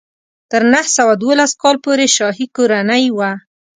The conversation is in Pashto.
تر نهه سوه دولس کال پورې شاهي کورنۍ وه.